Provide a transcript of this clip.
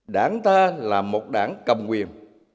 đảng ta là một đảng cầm quyền